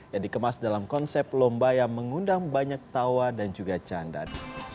yang dikemas dalam konsep lomba yang mengundang banyak tawa dan juga canda